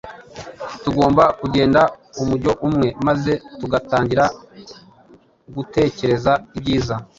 tugomba kugenda umujyo umwe maze tugatangira gutekereza ibyiza.